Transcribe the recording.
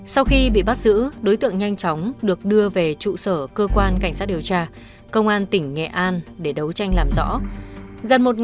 sau khi bị bắt giữ đối tượng nhanh chóng được đưa về trụ sở cơ quan cảnh sát điều tra công an tỉnh nghệ an để đấu tranh làm rõ